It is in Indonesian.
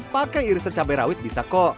pakai irisan cabai rawit bisa kok